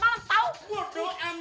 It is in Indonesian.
merayakannya gue nyanyi